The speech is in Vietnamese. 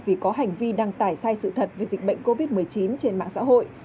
vì có hành vi đăng tải sai sự thật về dịch bệnh covid một mươi chín trên mạng xã hội